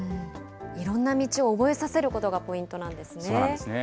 いろんな道を覚えさせることがポイントなんですね。